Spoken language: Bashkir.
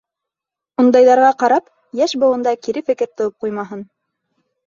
Ундайҙарға ҡарап, йәш быуында кире фекер тыуып ҡуймаһын.